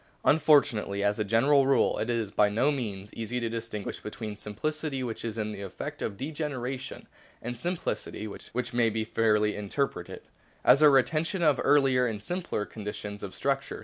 Unfortunately, as a general rule, it is by no means easy to distinguish between simplicity which is the effect of degeneration and simplicity which may be fairly interpreted as a retention of earlier and simpler conditions of structure.